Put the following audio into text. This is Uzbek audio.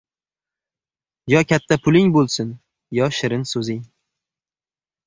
• Yo katta puling bo‘lsin, yo shirin so‘zing.